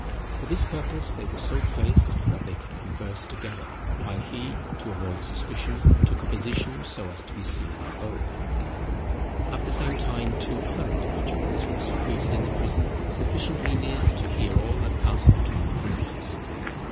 For this purpose they were so placed, that they could converse together, while he, to avoid suspicion, took a position so as to be seen by both. At the same time two other individuals were secreted in the prison sufficiently near to hear all that passed between the prisoners.